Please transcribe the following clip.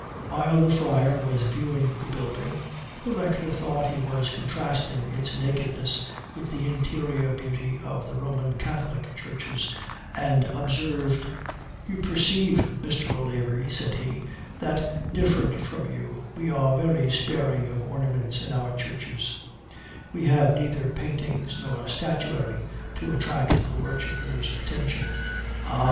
While the friar was viewing the building, the rector thought he was contrasting its nakedness with the interior beauty of the Roman Catholic churches, and observed: "You perceive, Mr. O'Leary," said he, "that, different from you, we are very sparing of ornaments in our churches; we have neither paintings nor statuary to attract the worshipper's attention." "Ah!"